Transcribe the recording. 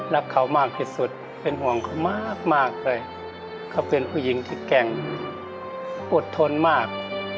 รักเขามากที่สุดเป็นห่วงเขามากเลยเขาเป็นผู้หญิงที่แกร่งอดทนมาก